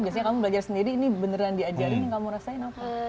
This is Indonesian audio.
biasanya kamu belajar sendiri ini beneran diajarin yang kamu rasain apa